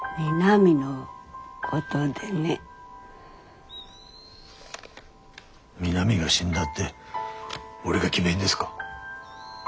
美波が死んだって俺が決めんですか。